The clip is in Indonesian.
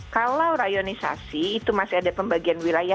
kalau rayonisasi itu masih ada pembagian wilayah